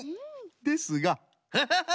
ですがハハハハ！